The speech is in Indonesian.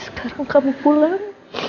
sekarang kamu pulang